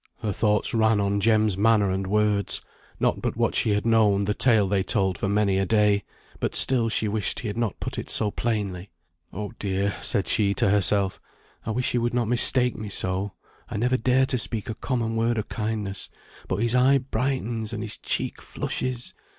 Her thoughts ran on Jem's manner and words; not but what she had known the tale they told for many a day; but still she wished he had not put it so plainly. "Oh dear," said she to herself, "I wish he would not mistake me so; I never dare to speak a common word o' kindness, but his eye brightens and his cheek flushes.